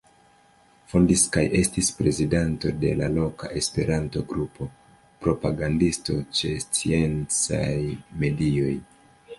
Fondis kaj estis prezidanto de l' loka Esperanto-grupo; propagandisto ĉe sciencaj medioj.